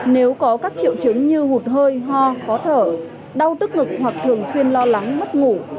nếu có các triệu chứng như hụt hơi ho khó thở đau tức ngực hoặc thường xuyên lo lắng mất ngủ